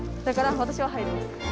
だからわたしは入ります。